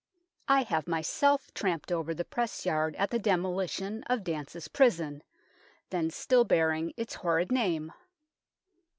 I have myself tramped over the press yard at the demolition of Dance's prison, then still bearing its horrid name.